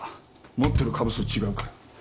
持ってる株数違うから。